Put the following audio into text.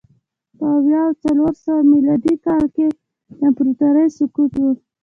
په اویا او څلور سوه میلادي کال کې د امپراتورۍ سقوط و